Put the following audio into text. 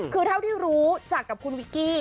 คือเท่าที่รู้จักกับคุณวิกกี้